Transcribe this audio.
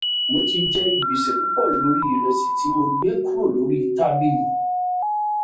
Mo ti jẹ gbèsè púpọ̀ lórí ìrẹsì tí mo gbé kúró lórí tábìlì